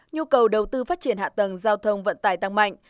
nhu cầu đầu tư phát triển hạ tầng giao thông vận tải tăng mạnh